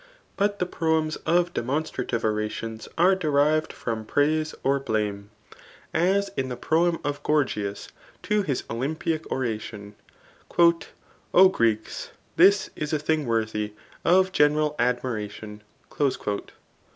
But the proems of demonstrative orations are derived from praise or blame ; as in the proem of Gorgias to his Olymplac oration, O Greeks, this is a thing worthy of general admiration.